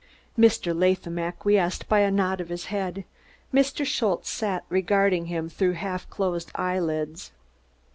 Mr. Latham acquiesced by a nod of his head; Mr. Schultze sat regarding him through half closed eyelids.